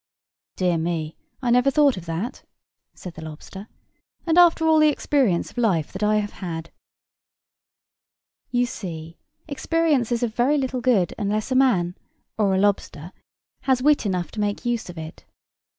"Dear me, I never thought of that," said the lobster; "and after all the experience of life that I have had!" You see, experience is of very little good unless a man, or a lobster, has wit enough to make use of it.